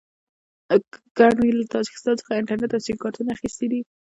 ګڼو یې له تاجکستان څخه انټرنېټ او سیم کارټونه اخیستي دي.